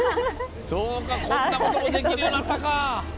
こんなこともできるようになったか。